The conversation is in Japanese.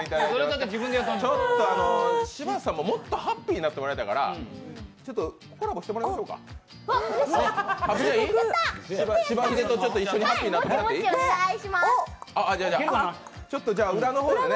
ちょっと柴田さんももっとハッピーになってもらいたいからコラボしてもらいましょうか？